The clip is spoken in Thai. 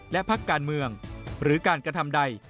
และพักการเมืองหรือการกระทำใด